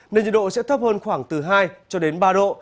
nên nhiệt độ sẽ thấp hơn khoảng từ hai cho đến ba độ